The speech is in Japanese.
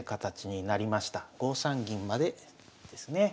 ５三銀までですね。